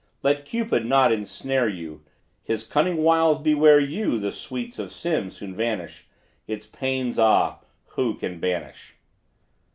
Let Cupid not ensnare you His cunning wiles beware you, The sweets of sin soon vanish Its pains, ah! who can banish."